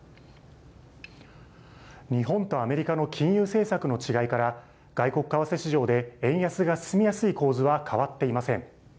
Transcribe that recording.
日本とアメリカの金融政策の違いから、外国為替市場で円安が進みやすい構図は変わっていません。